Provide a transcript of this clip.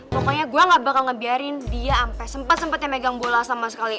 pokoknya gue gak bakal ngebiarin dia sampe sempet sempetnya megang bola sama sekali